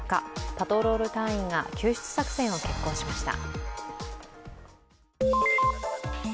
パトロール隊員が救出作戦を決行しました。